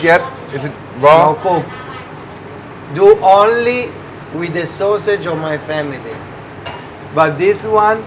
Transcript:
เราจะเจอกันของเต้นทรัฟเฟิร์ซ